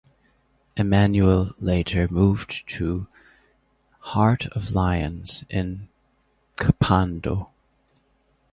Emmanuel later moved to Heart Of Lions in Kpando.